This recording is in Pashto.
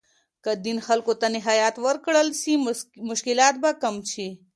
که دین خلګو ته نهایت ورکړل سي، مشکلات به کم سي.